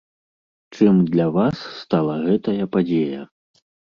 Чым для вас стала гэтая падзея?